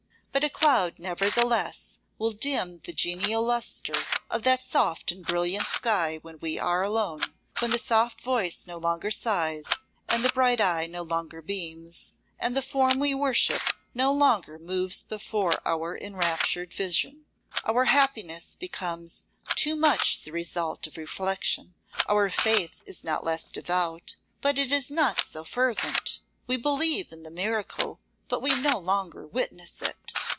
But a cloud nevertheless will dim the genial lustre of that soft and brilliant sky when we are alone; when the soft voice no longer sighs, and the bright eye no longer beams, and the form we worship no longer moves before our enraptured vision. Our happiness becomes too much the result of reflection. Our faith is not less devout, but it is not so fervent. We believe in the miracle, but we no longer witness it.